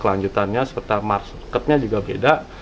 kelanjutannya serta marketnya juga beda